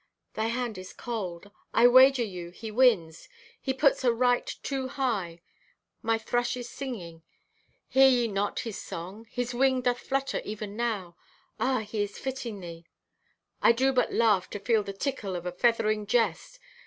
"Thy hand is cold. I wager you he wins. He puts a right too high. Thy thrush is singing; hear ye not his song? His wing doth flutter even now. Ah, he is fitting thee—— "I do but laugh to feel the tickle of a feathering jest.